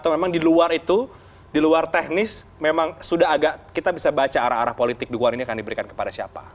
memang di luar itu di luar teknis memang sudah agak kita bisa baca arah arah politik di luar ini akan diberikan kepada siapa